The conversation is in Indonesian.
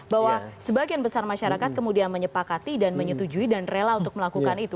bahwa sebagian besar masyarakat kemudian menyepakati dan menyetujui dan rela untuk melakukan itu